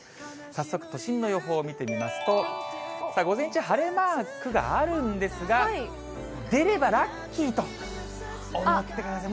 早速、都心の予報を見てみますと、さあ、午前中、晴れマークがあるんですが、出ればラッキーと思ってください。